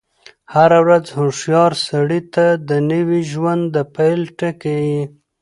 هره ورځ هوښیار سړي ته د نوی ژوند د پيل ټکی يي.